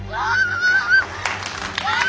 あ！